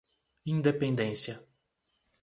Independência